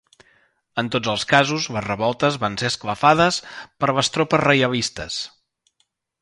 En tots els casos les revoltes van ser esclafades per les tropes reialistes.